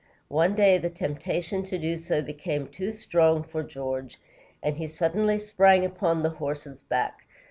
One day, the temptation to do so became too strong for George, and he suddenly sprang upon the horse's back.